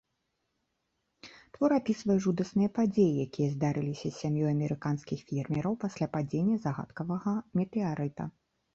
Твор апісвае жудасныя падзеі, якія здарыліся з сям'ёй амерыканскіх фермераў пасля падзення загадкавага метэарыта.